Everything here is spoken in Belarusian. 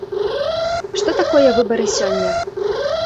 Што такое выбары сёння?